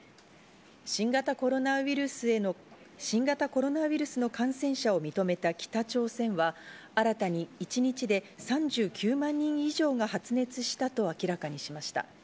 新型コロナウイルスの感染者を認めた北朝鮮は、新たに一日で３９万人以上が発熱したと明らかにしました。